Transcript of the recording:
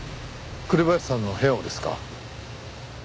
紅林さんの部屋をですか？